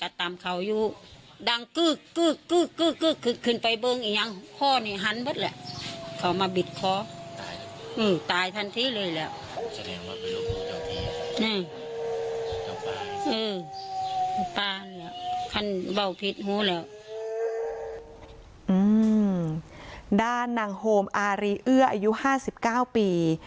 ด้านนางโฮมอารีเอื้ออายุ๕๙ปี